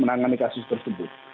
menangani kasus tersebut